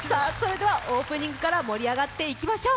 オープニングから盛り上がっていきましょう。